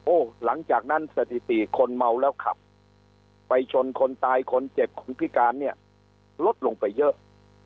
หลังจากนั้นสถิติคนเมาแล้วขับไปชนคนตายคนเจ็บคนพิการเนี่ยลดลงไปเยอะ